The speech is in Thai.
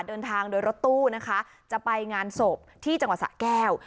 เดินทางโดยรถตู้นะคะจะไปงานศพที่จังหวัดสะแก้ว